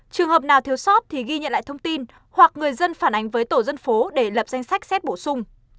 trường hợp nào thiếu sót thì ghi nhận lại thông tin hoặc người dân phản ánh với tổ dân phố để lập danh sách xét bổ sung